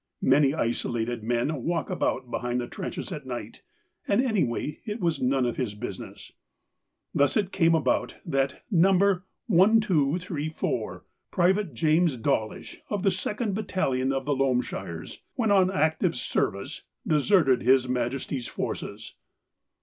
Many isolated men walk about behind the trenches at night, and anyway, it was none of his business. Thus it came about that No. 1234 Private James Dawlish, of the second battalion of the Loamshires, when on active service, deserted His Majesty's Forces.